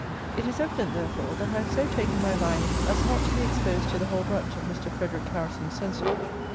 It is evident, therefore, that I have so taken my line as not to be exposed to the whole brunt of Mr. Frederic Harrison's censure.